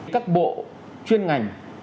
các bộ chuyên ngành